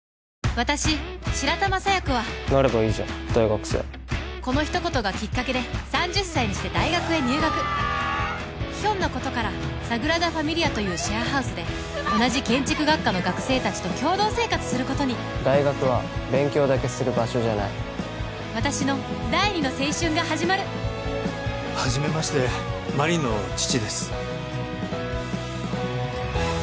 私白玉佐弥子はなればいいじゃん大学生この一言がきっかけで３０歳にして大学へ入学ひょんなことからサグラダファミリ家というシェアハウスで同じ建築学科の学生達と共同生活することに大学は勉強だけする場所じゃない私の第２の青春が始まるはじめまして真凛の父です